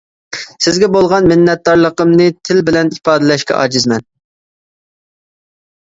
سىزگە بولغان مىننەتدارلىقىمنى تىل بىلەن ئىپادىلەشكە ئاجىزمەن.